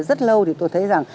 rất lâu thì tôi thấy rằng